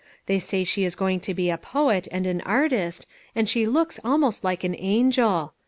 They say she is going to be a poet and an artist, and she looks almost like an angel.